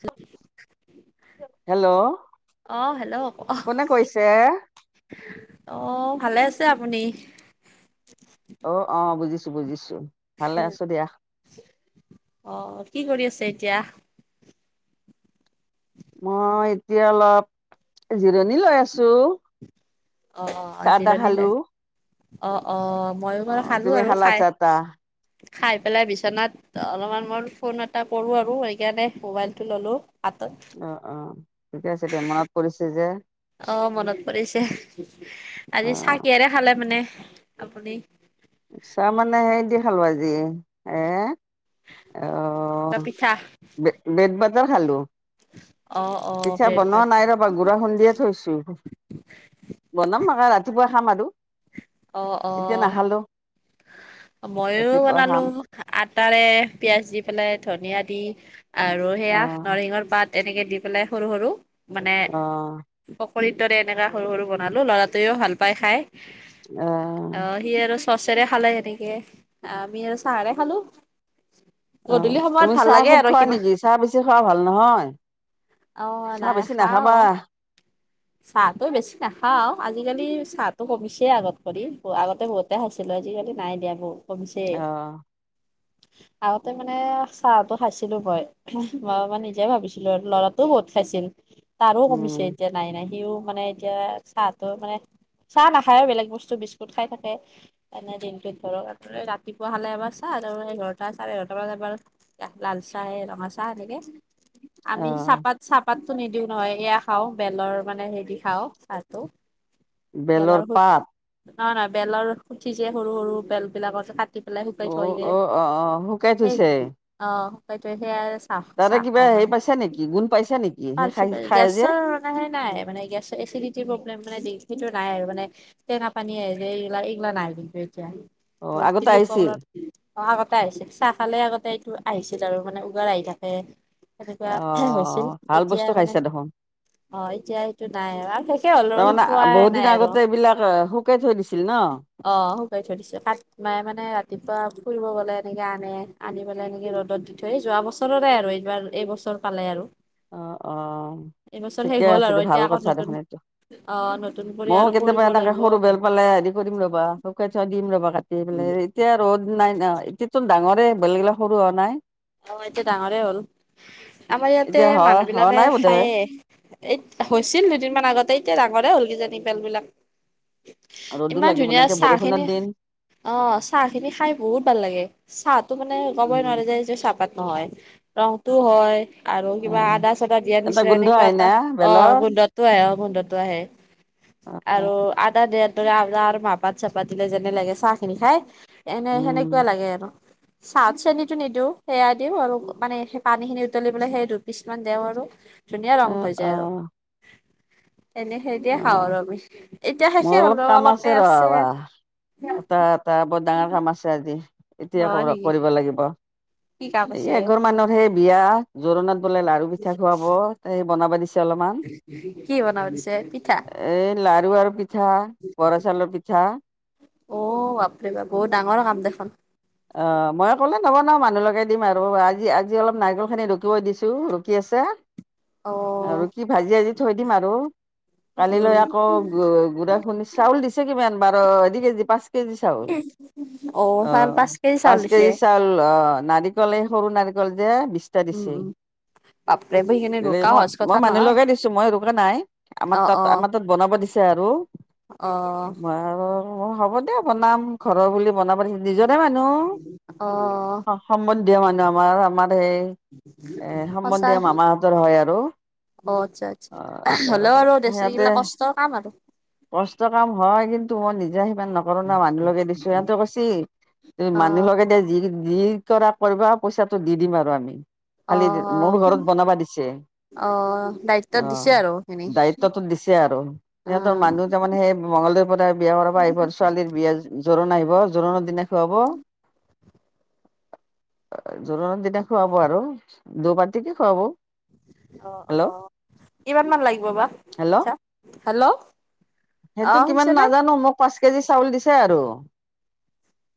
[unintelligible] Hello অ, hello ক কোনে কি কৈছে অ ভালে আছে আপুনি অ অ বুজিছোঁ বুজিছোঁ ভালে আছোঁ দিয়া অ কি কৰি আছে এতিয়া মই এতিয়া অলপ এ জিৰণি লৈ আছো অ চাহ তাহ জিৰণি খালো লৈ অ অ' মইয়ো অ বাৰু খালো তুমি আৰু খালা খাই চাহ তাহ খাই পেলাই বিচনাত ত অলপমান মই ফোন এটা কৰোঁ আৰু সেইকাৰণে মোবাইলটো ললোঁ হাতত অ অ ঠিকে আছে দিয়া মনত পৰিছে যে অ মনত পৰিছে অ আজি চাহ কিহেৰে খালে মানে আপুনি চাই মানে হেৰি দি খালোঁ আজি এ ত পিঠা ব্ৰে ব্ৰেড বাগাৰ খালোঁ [unintelligible] পিঠা ব্ৰেড বনোৱা ভাত নাই ৰপ মই গুড়া খুন্দিয়ে থৈছোঁ! বনাম মানে ৰাতিপুৱা খাম আৰু। অহ', এতিয়া অহ'! নাখালো মইও ৰাতিপুৱা খাম বনালোঁ। আটাৰে পিয়াঁজ দি পেলাই, ধনিয়া দি আৰু অ সেয়া নৰসিংহৰ পাত। এনেকে দি পেলাই সৰু সৰু মানে অ পকাৰীৰ দৰে এনেকা সৰু সৰু বনালোঁ। ল'ৰাটোৱেও ভাল পাই খায়। অঁ!, সি আৰু চচৰে খালে সেনেকে, আমি আৰু চাহৰে খালোঁ! অহ, তুমি চাহ খুউব আৰু খোৱা কিবা নেকি? চাহ বেছি খোৱা ভাল নহয়। অ চাহ নাই বেছি খাও নাখাবা! চাহটো বেছি নাখাওঁ! আজিকালি চাহটো কমিছে আগত কৰি, আগতে বহুত বহুতে খাইছিলোঁ, আজিকালি নাই দিয়া, বহুত কমছে। অ আগতে মানে চাহটো খাইছিলোঁ মই। [unintelligible] মাই নিজে ভাবিছিলোঁ আৰু ল'ৰাটোও বহুত খাইছিল, তাৰো কমিছে উম এতিয়া। নাই, নাই সিও মানে এতিয়া চাহতো মানে, চাহ নাখায়ে বেলেগ বস্তু বিস্কুট খায় থাকে। এনেই দিনটোত ধৰক ৰাতিপুৱা খালে এবাৰ চাহ আৰু এঘাৰটা চাৰে এঘাৰটা বজাত এবাৰ লাল চাহ ৰঙা চাহ এনেকে। অ আমি চাপাত-চাপাতটো নিদিওঁ নহয়, এয়া খাওঁ। বেলৰ মানে হেৰি খাওঁ চাহটো। বেলৰ শু নহয়, নহয়! বেলৰ শুঠি যে সৰু, সৰু বেল বিলাকৰ যে কাটি পেলাই শুকাই অ থয় যে অ অ অ শুকাই সেই থৈছে অ', শুকাই থয় সেয়া। চাহ তহঁতে চাহ কিবা খাওঁ হেৰি মানে। পাইছা নেকি? গুণ পাইছা নেকি? সেই খাই, খাই যে নাহে নাই মানে গেছ এচিডিটিৰ প্ৰব্লেম মানে সেইটো নাই আৰু মানে টেঙা পানী আহে যে। এইগিলা, এইগিলা নাই কিন্তু এতিয়া। অহ, আগতে বহুতখিনি উপকৰণ আহিছিল? অ', আগতে আহিছে চাহ খালে আগতে এইটো আহিছিল আৰু মানে উগাৰ আহি থাকে! তেনেকুৱা [unintelligible] হেহৈছিল! ত, খাইছা দেখোন! সেইটো নাই আৰু আৰু শেষে হ'ল আৰু তাৰমানে পোৱাই নাই বহুতদিন আৰু আগতে এইবিলাক শুকেই থৈ দিছিল ন'! অ', শুকুৱাই থৈ দিছে! মায়ে মানে ৰাতিপুৱা ফুৰিব গ'লে এনেকে আনে, আনি পেলাই এনেকে ৰ'দত দি থৈ যোৱা বছৰৰে আৰু এইবাৰ এইবছৰ পালে আৰু অ', অ', এইবছৰ শেষ ঠিকে হ'ল আছে, আৰু এইটো ভাল এতিয়া আকৌ কথা নতুন দেখোন এইটো। অ নতুন কৰি মইয়ো আৰু কেতিয়াবা কৰিব এনেকে লাগিব সৰু অ বেল পালে দিম। কৰিম ৰবা শুকাই থৈদিম ৰবা কাটি পেললে এতিয়া ৰ'দ নাই নএতিয়া চোন ডাঙৰে বেলগিলাক সৰু হোৱা নাই। অহ', এতিয়া ডাঙৰে হ'ল আমাৰ ইয়াতে এতিয়া হোৱা মানুহ হোৱা বিলাকে নাই বোধয় খায়ে। এই হৈছিল দুদিনমান আগতে এতিয়া ডাঙৰে হ'ল কিজানি বেল বিলাক। ৰ'দো ইমান লাগিব নাই ধুনীয়া এতিয়া চাহ বৰষুণৰ খেনি। দিন অহ', চাহ খিনি খাই বহুত ভাল লাগে। চাহ টো মানে ক'বই উম নোৱাৰে যে চহপাত নহয় ৰংটো হয়। আৰু অ কিবা আদা-চদা দিয়াৰ এটা নিচিনা গোন্ধ এনেকুৱা আহে এটা না অহ, বেলৰ গোন্ধটো আহে অ' গোন্ধটো আহে। অ আৰু আদা দিয়াৰ দৰে আদা আৰু মাহপাত চহপাত দিলে যেনে লাগে চাহ খিনি খাই। এনে উম সেনেকুৱা লাগে আৰু চাহত চেনিতো নিদিওঁ।। সেয়া দিওঁ আৰু মানে সেই পানী খিনি উতলিবলৈ পেলাই সেই দুপিছ মান দিওঁ আৰু। ধুনীয়া ৰং অ হৈ অ যায় আৰু এনে সেইটিয়ে অ খাওঁ আৰু আমি এতিয়া মোৰ শেষে অলপ হ'লোও কাম অলপে আছে। তাৰ বৰ ডাঙৰ কাম আছে আজি এতিয়া হয় নেকি কৰিব লাগিব। কি কাম এই আছে এঘৰ মানৰ হে বিয়া জোৰোণত বোলে লাৰু পিঠা খোৱাব। এই বনাবা দিছে অলমান। কি বনাব দিছে? পিঠা এ লাৰু আৰু পিঠা বৰা চাউলৰ পিঠা। অ' বাপৰেবা বহুত ডাঙৰ কাম দেখোন। অঁ' মই অক'লে নবনাও মানুহলগায় দিম আৰু আজি আজি অলপ নাৰিকল খিনি ৰুকিব দিছো। কি আছে? অ অঁ' ৰুকি ভাজি আজি থৈ দিম আৰু। কালিলৈ উম আকৌ গুড়া খুন্দি চাউল দিছে কিমান বাৰু এ দুই কেজি পাঁচ- কিজি চাউল অ চাউল অঁ' কেজি চাউল পাঁচ দিছে কেজি চাউল নাৰী- কলে সৰু নাৰিকল যে বিছ- তা উম দিছে। উম বাপৰে সেইখিনি দিলেই ৰোকা মই সহজ কথা মই মানুহ নহয় লগাই দিছো মই ৰোকা নাই। আমাৰ অ তাত অ আমাৰ তাত বনাব দিছে আৰু। অ বনাব- অঁ' হ'ব দে বনাম ঘৰৰ বুলি বনাব নিজৰে মানুহ। অ সম্বন্ধীয় মানুহ আমাৰ আমাৰ সেই- এ সঁচা সম্বন্ধীয় মামা হঁতৰ হয় আৰু আহ তাকেতো। দে ছো এইগিলাক কষ্টৰ কাম আৰু। কষ্ট কাম হয় কিন্তু মই নিজে সিমান নকৰো ন' মানুহলগাই দিছো সিহটে কৈছি- তে অ মানুহকে দে যি যি কৰা কৰিবা পইচাটো দি দিম আৰু আমি। অ খালি মোৰ ঘৰত বনাবা দিছে অ দায়িত্বত অঁহ দিছে আৰু সেইখিনি দায়ত- দিছে আৰু অ সিহঁতৰ মানুহ- তাৰ মানে সেই মংগলদৈৰ পৰাই বিয়া কৰাব আহিব ছোৱালীৰ বিয়া জোৰোণ আহিব জোৰোণৰ দিনা খুৱাব। [inaudible] জোৰোণৰ দিনা খুৱাব আৰু দু পাতিকে খুৱাব। অঁ হেল্ল' অঁ' কিমান মান লাগিব বা? হেল্ল' পইচা হেল্ল' অ সেইটো কিমান শুনিছেনে নাজানো মোক পাঁচ কেজি চাউল দিছে আৰু।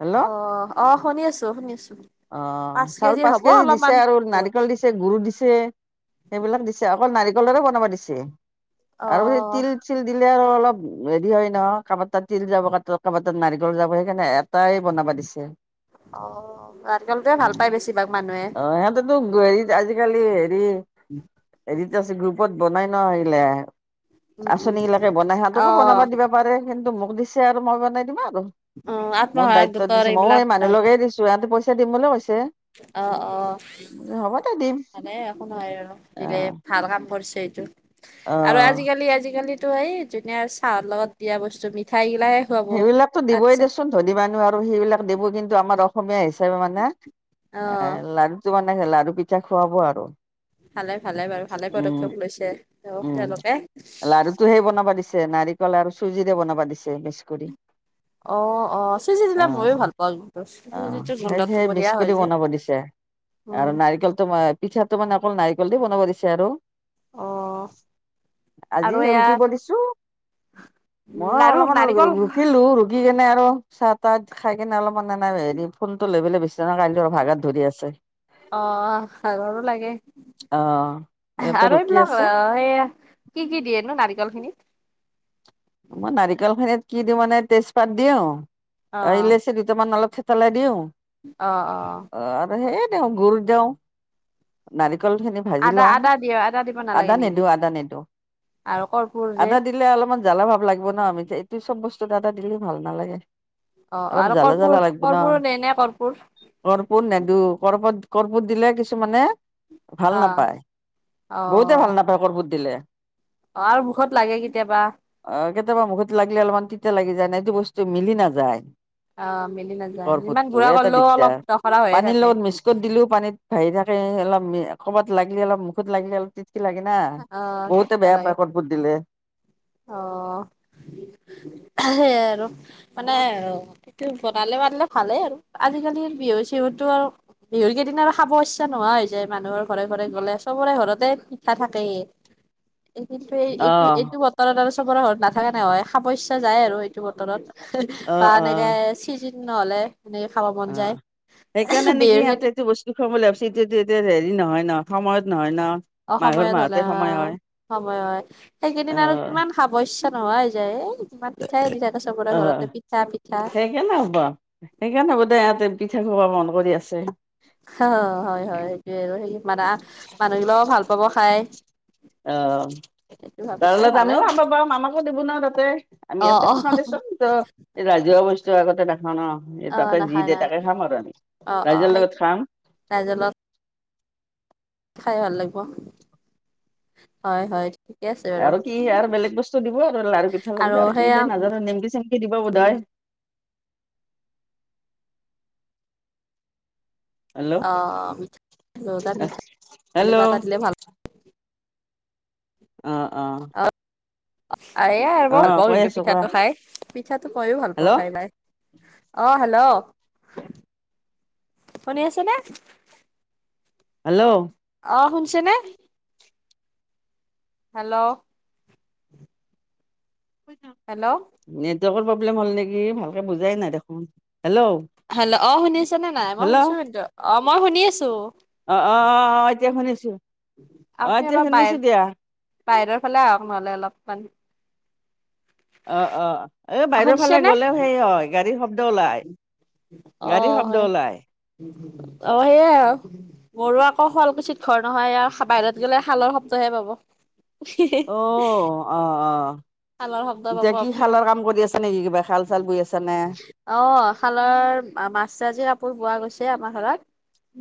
হেল্ল' অ' অঁ' শুনি আছো শুনি আছো। অঁ' চাউল কেজিৰ পাঁচ হ'ব কেজি দিছে অলপমান আৰু বহুত নাৰিকল দিছ- চে গোৰো দিছে সেইবিলাক দিছে অকল নাৰিকলৰে বনাবা দিছে। অ আৰু সেই তিল- ছিল দিলে আৰু অলপ হেৰি হয় ন' কাবাৰ তাত তিল যাব কাবা তাত নাৰিকল যাব সেইকাৰণে। তায় বনাবা দিছে। অ' নাৰিকল টোৱে ভাল পায় বেছিভাগ মানুহে। অ সিহঁতেতো হেৰিত আজিকালি হেৰি হেৰিত আছে গ্ৰুপত বনাই ন' আহিলে। উম উম আঁচননিগিলাকে বনাই অ সিহঁতকো বনাবা দিব পাৰে, কিন্তু মোক দিছে আৰু মই বনাই দিমে আৰু। উম মোৰ আত্মসহায়ক দায়িত্ব গোটৰ দিছো, ময়ও এইবিলাক এই মানুহ লগায় দিছো ইহঁতে পইচা দিম বুলি কৈছে। অঁ অঁ' হ'ব দে দিম ভালে একো নহয় আৰু দিলে অ', ভাল কাম কৰিছে এইটো। অ'। আৰু আজিকালি আজিকালিতো এই ধুনীয়া চাহৰ লগত দিয়া বস্তু মিঠাই গিলায়- সেইবিলাকতো দিবই দেছো- ছোন ধনি মানুহ আৰু সেইবিলাক দিব, কিন্তু আমাৰ অসমীয়া হিচাপে মানে অ এ লাড়ু- টো মানে লাৰু পিঠা খুৱাব আৰু। ভালে ভালে বাৰু ভালে উম, পদক্ষেপ লৈছে তেওক তেওঁলোকে। টোহে বনাব দিছে নাৰিকল আৰু চুজিৰে বনাবা দিছে মিছকৰি। অ অ চুজি দিলে ময়ো আহ, ভাল পাওঁ কিন্তু আহ, চুজিটো সেই গোন্ধটো সেই বঢ়িয়া হয় মিছকৰি যে। বনাব দিছে। আৰু উম নাৰিকলটো পিঠাটো মানে অকল নাৰিকল দি বনাব দিছে আৰু। অ [inaudible] আজি আৰু হে এয়া ৰুকিব দিছো, মই লাৰু অলপমান নাৰিকল ৰুকিলো দি কেনে আৰু সাত আঠ খাই কিনে অলপমান এনে হেৰি ফোনটো লৈ পেলাই বেছনাত আহিলো ভাগাৰ ধৰি আছে। অ'। ঘৰো লাগে অ' এটা সে কি' কি' দিয়েনো নাৰিকল খিনিত? মই নাৰিকল খিনিত কি দিওঁ মানে তেজপাত দিওঁ অ আৰু ইলাইচি দুটামান অলপ থেতেলাই দিওঁ। অ' অ'। অ' আৰু সেই দেও গুৰ, দেও নাৰিকল খিনি ভাজি আদা লওঁ আদা দিয়ে আদা দিব নালাগে আদা নেকি নেদু, আদা নেদু আৰু কৰ্পূৰ যে আদা দি দিলে অলপমান জ্বালা ভাৱ লাগিব ন আমি যে এইটো চব বস্তুত এ আদা দিলে ভাল নালাগে। অ' অলপ আৰু জ্বালা কৰ্পূ কৰ্পূ দেই নে কৰ্পূ? কৰ্পূ নেদো কৰ্পূ কৰ্পূট দিলে কিছুমানে অ ভাল নাপায় অ বহুতে ভাল নাপায় কৰ্পূট দিলে। অ' আৰু মুখত লাগে কেতিয়াবা। অ' কেতিয়াবা মুখত লাগিলে অলপমান তিতা লাগি যায় ন, এইটো বস্তু মিলি নাযায়। অ মিলি নাযায় যিমান কৰ্পূটো গুড়া এটা কৰিলেও অলপ দিগদাৰ দখৰা হৈয়ে পানীৰ থাকে লগত মিছ ত দিলেও পানীত ভাহি থাকে অলপ ক'বাত লাগিল অলপ মুখত লাগিলে অলপ কি লাগে না অ বহুতে তিতা বেয়া লাগে পাই কৰ্পূট দিলে। অ' সেইয়াই আৰু মানে সেইটো বনালে বনে ভালে আৰু আজিকালিৰ বিহু চিহুতটো আৰু বিহুৰ কেইদিন আৰু খাব ইচ্ছা নোহোৱা হৈ যায় মানুহৰ ঘৰে ঘৰে গ'লে সবৰে ঘৰতে থাকেই এই এইটো অ', এইটো বতৰত আৰু চবৰে ঘৰত নাথাকে নহয়, খাব ইচ্ছা যায় আৰু এইটো বতৰত বা অ', এনেকে অ', নহলে সেনেকে খাব মন যায়। অ', সেইকাৰণে নেকি বিহুৰ সিহঁতে কেই [unintelligible] বুলি ভাবিছো এতিয়া এতিয়া হেৰি নহয় ন সময়ত নহয় ন? অ' মাঘৰ সময়ত হ'লে মাহতে সময় অ' হয় সময়ত সেইকেইদিন আৰু অ', কিমান খাব ইচ্ছা নোহোৱা হৈ যায় এই ইমান পিঠাই দি থাকে চবৰে ঘৰতে, অ', পিঠা পিঠা। সেইকাৰণে হ'বা সেইকাৰণে হ'ব দে ইহতে পিঠা খাব মন কৰি আছে। অ' হয়, হয়, সেইটোৱে আৰু মানে মানুহ গিলাকো ভাল পাব খাই। অ'। সেইটো তাৰ ভাবিছে লগত ভালে আমিও খাবা বাৰু আমাকো দিব ন তাতে আমি অ ইয়াতে অ খা দিচোন তো এই ৰাজহুৱা বস্তু আগতে নাখাও ন এই অ তাতে যি নাখায় দে নাই তাকে খাম আৰু আমি অ অ ৰাইজৰ সেই লগত খাম। [unintelligible] খাই ভাল লাগিব হয় হয়। ঠিকে আছে বাৰু আৰু কি আৰু বেলেগ বস্তু দিব আৰু লাৰু পিঠা প আৰু কি দ নাজানো নিমকি চিমকি দিব বোধয়। হেল্ল' অ' মিঠ হেল্ল' মিঠিবা এটা দিলে ভাল। অঁ' অঁ'। আ আৰু মই ভাল পাওঁ কৈ কিন্তু আছো কোৱা পিঠাটো খাই পিঠাটো ময়ো ভাল পাওঁ হেল্ল' খাই পাই। অ', হেল্ল' শুনি আছে নে? হেল্ল'। অঁ', শুনিছা নে? হেল্ল'। কৈ যাওঁক? হেল্ল'। নেটৱৰ্কৰ প্ৰব্লেম হ'ল নেকি ভালকে বুজাই নাই দেখোন, হেল্ল'। হেল্ল' অঁ', -শুনিছা নে নাই? মই হেল্ল' শুনিছো কিন্তু অঁ' মই শুনি আছো। অঁ', -অঁ', -অঁ', - এতিয়া শুনিছো। অ আপুনি এতিয়া অলপ শুনিছো বাহিৰ, দিয়া বাহিৰৰ ফালে আহক নহ'লে অলপমান। অ', -অ', এই বাহিৰৰ শুনিছে ফালে নে গ'লেও হেৰি হয়- গাড়ীৰ শব্দ ওলাই, অ গাড়ীৰ শব্দ হয় ওলাই। অ', -সেইয়াই হওঁক। মোৰো আকৌ শুৱালকুচিত ঘৰ নহয় আৰু বাহিৰত গ'লে শালৰ শব্দ'হে পাব। অ', -অহ', -অহ',। শালৰ শব্দ পাব এতিয়া কি আপুনি শালৰ কাম কৰি আছা নেকি, কিবা শাল-চাল বৈ আছা নে? অঁ', -শালৰ মাজ-চাজি কাপোৰ বোৱা গৈছে আমাৰ শালত।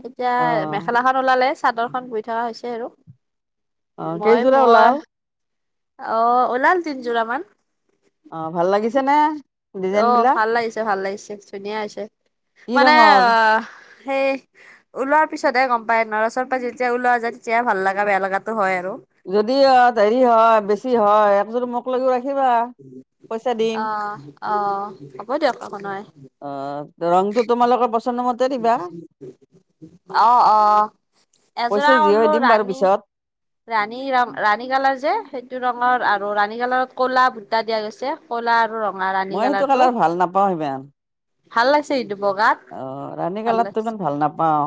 এতিয়া অ', মেখেলাখন ওলালে চাদৰখন বৈ থকা হৈছে আৰু। অ', কেইযোৰা ওলাল মই-মই অঁ', -ওলাল তিনযোৰা মান। অ', ভাল লাগিছে নে? ডিজাইন অঁ', বিলাক -ভাল লাগিছে, ভাল লাগিছে, ধুনীয়া হৈছে। কি মানে ৰঙৰ? আঁহ' সেই ওলোৱাৰ পিছত'হে গম পায়। নৰা চৰ প-পৰা যেতিয়া ওলোৱা যায় তেতিয়া ভাল লগা, বেয়া লগাটো হয় আৰু। যদি অ', দেৰী হয়, বেছি হয়, একে পিছতো মোক লগাও ৰাখিবা। পইচা দিম। অঁ', -অঁ', -হ'ব দিয়ক একো নাই। অঁ', ৰংতটো তোমালোকৰ পচন্দ মতে দিবা অঁ', -অহ', এযোৰা পইচা যি হয় ওলোৱা দিম বাৰু ৰাণী পিছত। ৰাণী ৰং, ৰাণী কালাৰ যে সেইটো ৰঙৰ আৰু ৰাণী কালাৰত কলা ভুটা দিয়া গৈছে, কলা আৰু ৰং- মই সেইটো কালাৰ ভাল নাপাওঁ সিমান। ভাল লাগিছে এইটো বগাত অহ', ৰাণী ভাল কালাৰতো লাগিছে। ইমান ভাল নাপাওঁ।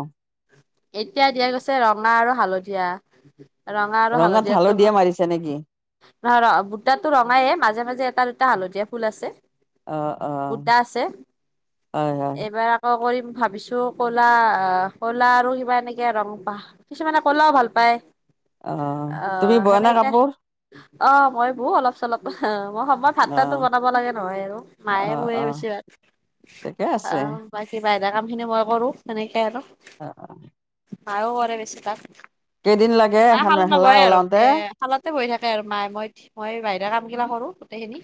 এতিয়া দিয়া গৈছে ৰঙা আৰু হালধীয়া। ৰঙা আৰু ৰঙত হালধীয়াটো হালধিয়ে মই- মাৰিছে নেকি? নহয় ৰ' সূতাটো ৰঙাইে মাজে-মাজে এটা-দুটা হালধীয়া ফুল আছে। অ', অ', সূটা আছে। হয়, হয়, এইবাৰ আৰম্ভ- কৰিম ভাবিছোঁ ক'লা- ক'লা আৰু কিবা এনেকে ৰং পাহ কিছুমানে কলাও ভাল পায়। অ', তুমি অ', বোৱা সেনেকে, নে এতিয়া কাপোৰ? অঁ' মই শু অলপ-চলপ। অহ', মই সময়ত ভাতটো অ', বনাব লাগে নহয় আৰু, মায়ে অ', বৱে অ', বেছি ভাগ। ঠিকে আছে। বা কিবা এটা কাম খিনি মই কৰো সেনেকে আৰু। অ', -অহ',। মাইও কৰে বেছি ভাগ। কেইদিন লাগে মায়ে এখন শাল মেখেলা নবয়ে আৰু ওলাওতে এ' শালতে বহি থাকে আৰু মায়ে, মই-মই বাহিৰা কাম গিলা কৰো গোটেইখিনি।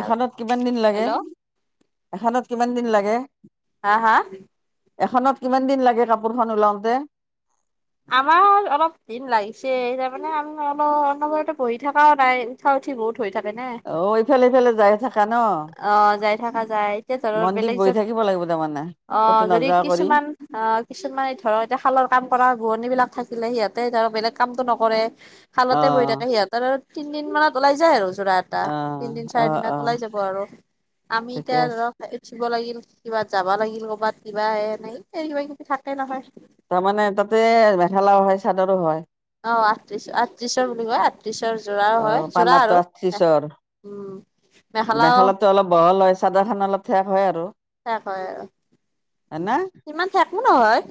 এখনত কিমান দিন লাগে? হেল্ল' এখনত কিমান দিন লাগে? হা-হা? এখনত কিমান দিন লাগে কাপোৰখন ওলাও তে? আমাৰ অলপ দিন লাগিছে তাৰমানে আমি অলপ অনবতে বহি থকাও নাই উঠা উঠি বহুত, হৈ থাকে নে। ইফালে-ফালে যায় থা অ যাই থকা যায় এতিয়া ধৰ মন দি বেলেগ বহি থাকিব লাগিব তাৰমানে আহ ক'তো যদি নাযোৱা কৰি কিছুমান। আহ কিছুমানে ধৰক এতিয়া খালৰ কাম কৰা ভুৱনী বিলাক থাকিলে সিহঁতে ধৰক বেলেগ কামটো নকৰে। খালতে বহি অ', থাকে সিহঁতৰ আৰু তিন দিন মানত ওলাই যায় আৰু যোৰা এটা অ', তিনদিন চাৰি অ', দিনত অ', ওলাই যাব। কৰ আমি ঠিকে এতিয়া আছে ধৰক, উঠিব লাগিল কিবা যাবা লাগিল কৰবাত কিবা এ এনে কিবা কিবি থাকে নহয়। তাৰমানে তাতে মেখেলাও হয় চাদৰো হয়। অ আঠ্ৰিশ আঠত্ৰিশৰ বুলি কয়। তি ছৰ জোৰা। অ পানাতটো আশিছৰ উম মেখেলাও মেখেলাটো অলপ বহল চাদৰ খান অলপ ঠেক হয় আৰু ত হয় আৰু হয় না সিমান ঠেকো নহয়।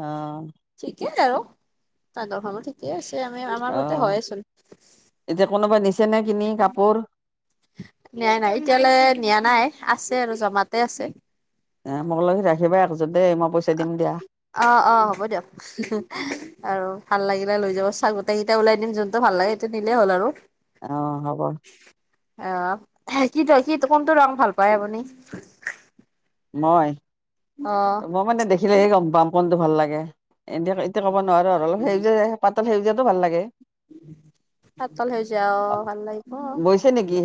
অ', ঠিকেই আৰু চাদৰখনো ঠিকেই আছে আমি আমাৰ মতে অ', হয় আচোন। এতিয়া কোনোবা নিছে নে কিনি কাপোৰ। নিয়াই নাই এতিয়ালৈ নিয়া নাই আছে আৰু জমাতে আছে। এ মোক লগি ৰাখিবা একযোৰ দেই মই পইচা দিম দিয়া। অ অ হ'ব দিয়ক। আৰু ভাল লাগিলে লৈ যাব গোটেই কেইটা ওলাই দিম যোনটো ভাল লাগে সেইটো নিলেই হ'ল আৰু অ হ'ব। আহ কি ত কি কোনটো ৰং ভাল পায় আপুনি। মই অ মই মানে দেখিলে হে গম পাম কোণটো ভাল লাগে এনে তে ক'ব নোৱাৰো আৰু অলপ সেউজীয়া পাতল সেউজীয়াতটো ভাল লাগে। পাতল সেউজীয়া ভাল লাগিব। আছে নেকি।